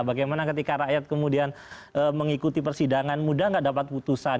bagaimana ketika rakyat kemudian mengikuti persidangan mudah nggak dapat putusan